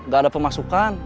gak ada pemasukan